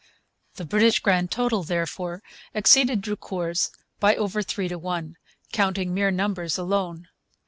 The British grand total therefore exceeded Drucour's by over three to one, counting mere numbers alone.